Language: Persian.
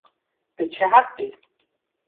به چه حقی؟